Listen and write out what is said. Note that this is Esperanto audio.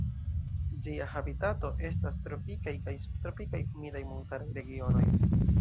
Ĝia habitato estas tropikaj kaj subtropikaj humidaj montaraj regionoj.